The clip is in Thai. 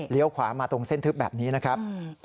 ขวามาตรงเส้นทึบแบบนี้นะครับ